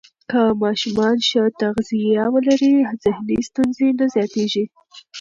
که ماشومان ښه تغذیه ولري، ذهني ستونزې نه زیاتېږي.